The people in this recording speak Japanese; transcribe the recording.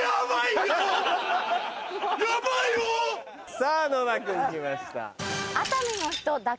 さぁ野田君来ました。